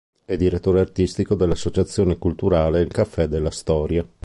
È direttore artistico dell'associazione culturale Il Caffè Della Storia.